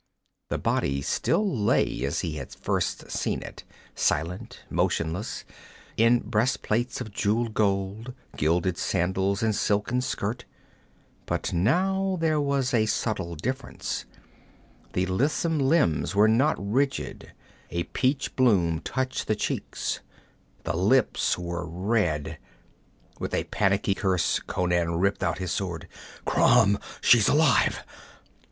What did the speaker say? The body still lay as he had first seen it, silent, motionless, in breast plates of jeweled gold, gilded sandals and silken shirt. But now there was a subtle difference. The lissom limbs were not rigid, a peach bloom touched the cheeks, the lips were red With a panicky curse Conan ripped out his sword. 'Crom! She's alive!'